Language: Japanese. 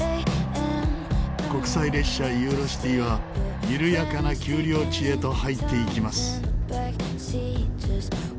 国際列車ユーロシティは緩やかな丘陵地へと入っていきます。